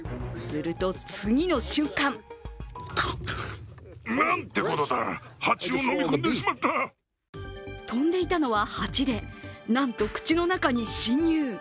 すると次の瞬間飛んでいたのは蜂で、なんと口の中に侵入。